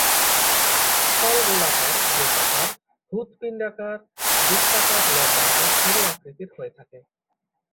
ফল গোলাকার, ডিম্বাকার, হূৎপিন্ডাকার, বৃত্তাকার, লম্বা বা সরু আকৃতির হয়ে থাকে।